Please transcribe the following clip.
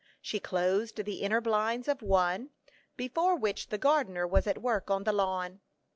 She closed the inner blinds of one, before which the gardener was at work on the lawn.